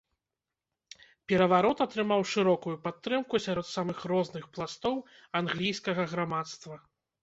Пераварот атрымаў шырокую падтрымку сярод самых розных пластоў англійскага грамадства.